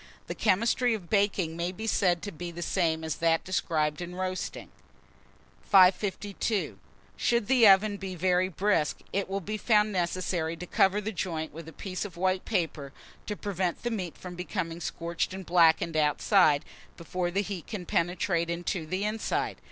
The chemistry of baking may be said to be the same as that described in roasting. 552. SHOULD THE OVEN BE VERY BRISK, it will be found necessary to cover the joint with a piece of white paper, to prevent the meat from being scorched and blackened outside, before the heat can penetrate into the inside.